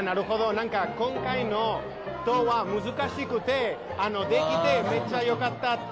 なんか今回の塔は難しくてできてめっちゃよかったって。